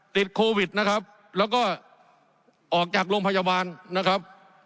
ติดโควิดนะครับแล้วก็ออกจากโรงพยาบาลนะครับ